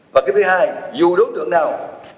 và cái thứ hai dù đối tượng nào